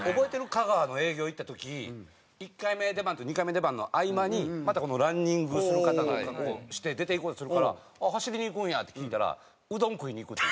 香川の営業行った時１回目出番と２回目出番の合間にまたランニングする方の格好して出ていこうとするから「走りにいくんや？」って聞いたら「うどん食いにいく」って。